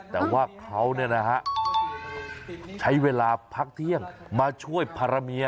แต่ว่าเขาใช้เวลาพักเที่ยงมาช่วยพารเมีย